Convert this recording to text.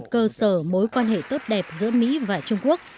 cơ sở mối quan hệ tốt đẹp giữa mỹ và trung quốc